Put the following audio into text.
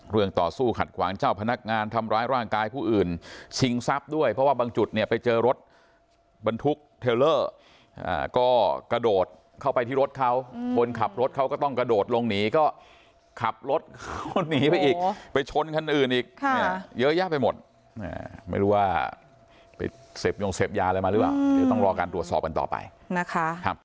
ต่อสู้ขัดขวางเจ้าพนักงานทำร้ายร่างกายผู้อื่นชิงทรัพย์ด้วยเพราะว่าบางจุดเนี่ยไปเจอรถบรรทุกเทลเลอร์ก็กระโดดเข้าไปที่รถเขาคนขับรถเขาก็ต้องกระโดดลงหนีก็ขับรถเขาหนีไปอีกไปชนคันอื่นอีกเยอะแยะไปหมดไม่รู้ว่าไปเสพยงเสพยาอะไรมาหรือเปล่าเดี๋ยวต้องรอการตรวจสอบกันต่อไปนะคะ